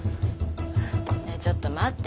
ちょっと待って。